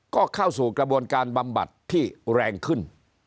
ก็เข้าสู่กระบวนการบำบัดที่แรงขึ้น